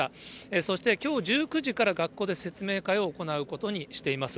そして、きょう１９時から学校で説明会を行うことにしています。